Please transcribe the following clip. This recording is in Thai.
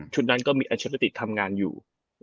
นั้นก็มีอัลเชอร์ติกทำงานอยู่